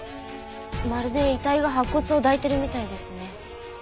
まるで遺体が白骨を抱いてるみたいですね。